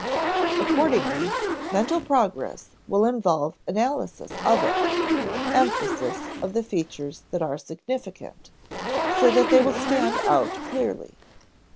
Accordingly, mental progress will involve analysis of it emphasis of the features that are significant, so that they will stand out clearly.